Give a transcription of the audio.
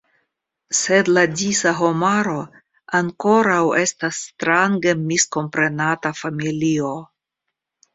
Sed la disa homaro ankoraŭ estas strange miskomprenata familio.